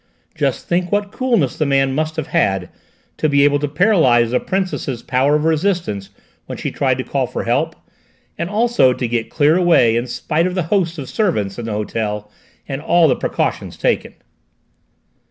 Just think what coolness the man must have had to be able to paralyse the Princess's power of resistance when she tried to call for help: and also to get clear away in spite of the hosts of servants in the hotel and all the precautions taken!"